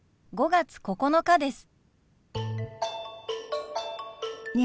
５月９日です。